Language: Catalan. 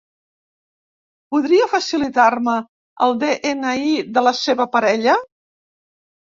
Podria facilitar-me el de-ena-i de la seva parella?